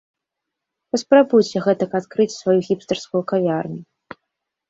Паспрабуйце гэтак адкрыць сваю хіпстарскую кавярню!